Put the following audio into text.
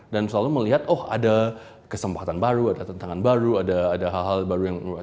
dan selalu melihat oh ada kesempatan baru ada tantangan baru ada hal hal baru yang berubah